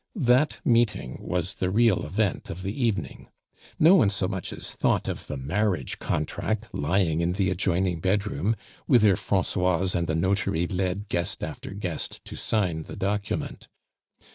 That meeting was the real event of the evening. No one so much as thought of the marriage contract lying in the adjoining bedroom, whither Francoise and the notary led guest after guest to sign the document.